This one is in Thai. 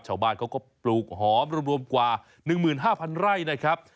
ชาวบ้านเขาก็ปลูกหอมรวมกว่า๑๕๐๐ไร่นะครับ